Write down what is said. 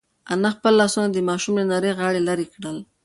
انا خپل لاسونه د ماشوم له نري غاړې لرې کړل.